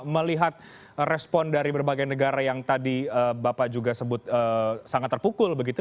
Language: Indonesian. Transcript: melihat respon dari berbagai negara yang tadi bapak juga sebut sangat terpukul begitu